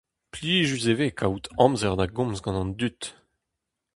Plijus e vez kaout amzer da gomz gant an dud.